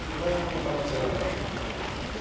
可能性が高かったと思います。